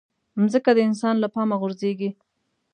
مځکه د انسان له پامه غورځيږي.